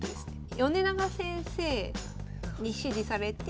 米長先生に師事されて。